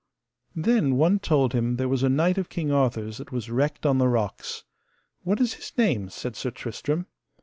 Then one told him there was a knight of King Arthur's that was wrecked on the rocks. What is his name? said Sir Tristram.